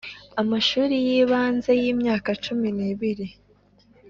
amashuri y ibanze y imyaka cumi n ibiri.